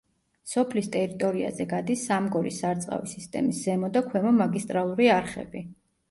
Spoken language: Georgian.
სოფლის ტერიტორიაზე გადის სამგორის სარწყავი სისტემის ზემო და ქვემო მაგისტრალური არხები.